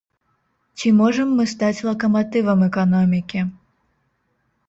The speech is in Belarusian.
Ці можам мы стаць лакаматывам эканомікі?